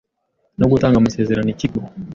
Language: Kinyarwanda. no gutanga amasezerano ikigo